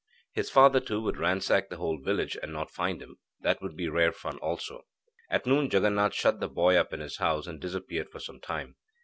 His father, too, would ransack the whole village, and not find him that would be rare fun also. At noon, Jaganath shut the boy up in his house, and disappeared for some time.